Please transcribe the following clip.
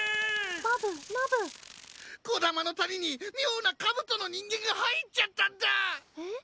バブナブ木霊の谷に妙な兜の人間が入っちゃったんだえっ？